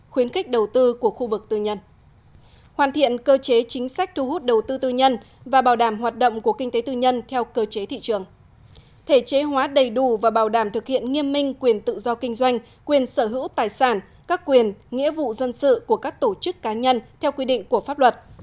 khuyến khích đầu tư của khu vực tư nhân hoàn thiện cơ chế chính sách thu hút đầu tư tư nhân và bảo đảm hoạt động của kinh tế tư nhân theo cơ chế thị trường thể chế hóa đầy đủ và bảo đảm thực hiện nghiêm minh quyền tự do kinh doanh quyền sở hữu tài sản các quyền nghĩa vụ dân sự của các tổ chức cá nhân theo quy định của pháp luật